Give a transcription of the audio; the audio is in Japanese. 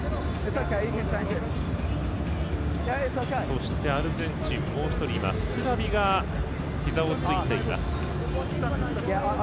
そして、アルゼンチンもう１人スクラビが、ひざをついています。